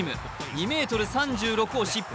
２ｍ３６を失敗。